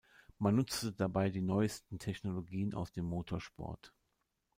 Man nutzte dabei die neuesten Technologien aus dem Motorsport.